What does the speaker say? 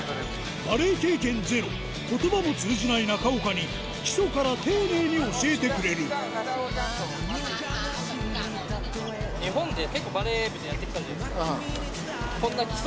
バレー経験ゼロ言葉も通じない中岡に基礎から丁寧に教えてくれる日本でＯＫ！